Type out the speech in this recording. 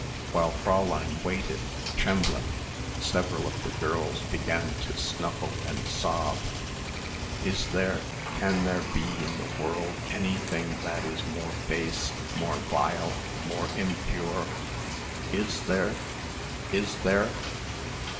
While Fräulein waited, trembling, several of the girls began to snuffle and sob. "Is there, can there be in the world anything that is more base, more vile, more impure? Is there? Is there?"